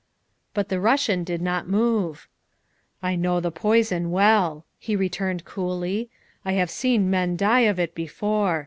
But the Russian did not move. ' I know the poison well, '' he returned coolly ; "I have seen men die of it before.